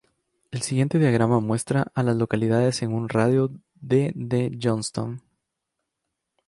El siguiente diagrama muestra a las localidades en un radio de de Johnston.